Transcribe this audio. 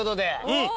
うん。